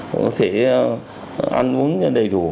có thể ăn uống đầy đủ